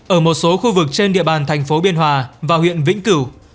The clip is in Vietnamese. ở một số khu vực trên địa bàn thành phố biên hòa và huyện vĩnh cửu